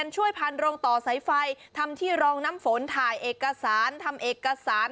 ช่วยพันโรงต่อสายไฟทำที่รองน้ำฝนถ่ายเอกสารทำเอกสาร